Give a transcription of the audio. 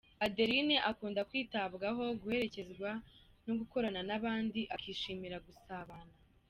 Adeline akunda kwitabwaho, guherekezwa, no gukorana n’abandi akishimira gusabana.